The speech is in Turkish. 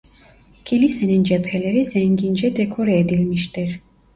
Kilisenin cepheleri zengince dekore edilmiştir.